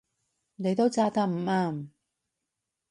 你都揸得唔啱